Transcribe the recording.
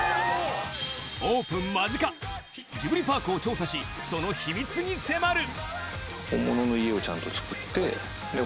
オープン間近ジブリパークを調査しその秘密に迫る